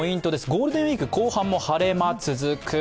ゴールデンウイーク後半も晴れ間続く。